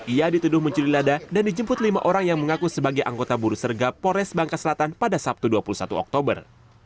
ia dituduh mencuri lada dan dijemput lima orang yang mengaku sebagai anggota buru serga polres bangka selatan pada sabtu dua puluh satu oktober